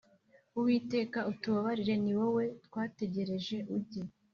Uwiteka utubabarire ni wowe twategereje ujye